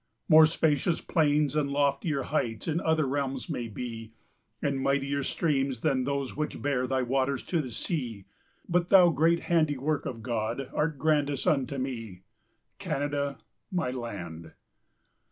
More spacious plains and loftier heights In other realms may be, And mightier streams than those which bear Thy waters to the sea; But thou, great handiwork of God, Art grandest unto me, Canada, my land.